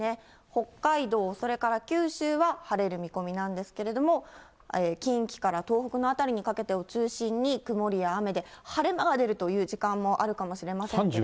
北海道、それから九州は晴れる見込みなんですけれども、近畿から東北の辺りにかけてを中心に曇りや雨で、晴れ間が出るという時間帯もあるかもしれませんけれども。